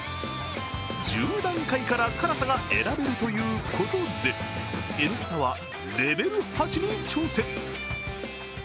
１０段階から辛さが選べるということで「Ｎスタ」はレベル８に挑戦。